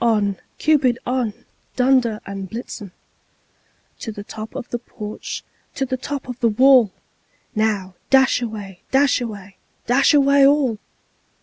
on, Cupid! on, Dunder and Blitzen! To the top of the porch! To the top of the wall! Now, dash away! Dash away! Dash away all!"